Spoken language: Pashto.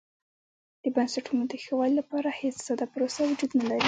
د بنسټونو د ښه والي لپاره هېڅ ساده پروسه وجود نه لري.